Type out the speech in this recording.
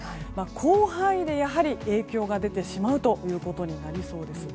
広範囲でやはり影響が出てしまうということになりそうです。